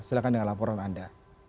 silahkan dengan laporan anda